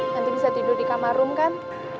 nanti bisa tidur di kamar room kan